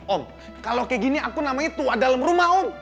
om kalau kayak gini aku namanya tuh ada dalam rumah om